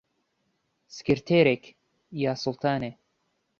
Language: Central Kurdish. سکرتێرێک... یا سوڵتانێ